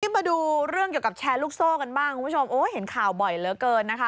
มาดูเรื่องเกี่ยวกับแชร์ลูกโซ่กันบ้างคุณผู้ชมโอ้ยเห็นข่าวบ่อยเหลือเกินนะคะ